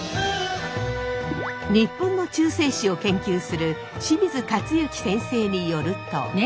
日本の中世史を研究する清水克行先生によると。